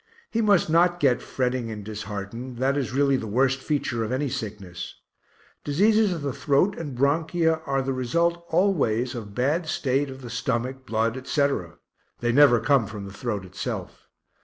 He must not get fretting and disheartened that is really the worst feature of any sickness. Diseases of the throat and bronchia are the result always of bad state of the stomach, blood, etc. (they never come from the throat itself).